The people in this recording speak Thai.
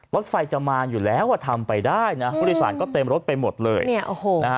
รถไฟจะมาอยู่แล้วว่าทำไปได้พุทธศาลก็เต็มรถไปหมดเลย